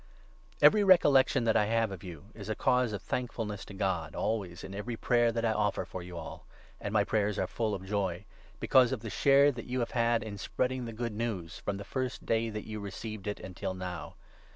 Every recollection that I have of you is a cause 3 Apostle's °f thankfulness to God, always, in every prayer 4 Thankfulness that I offer for you all — and my prayers are full of and Prayer. jov — because of the share that you have had in 5 spreading the Good News, from the first day that you received it until now.